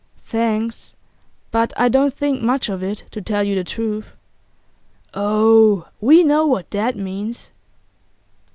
'Thanks; but I don't think much of it, to tell you the truth.' 'Oh, we know what that means.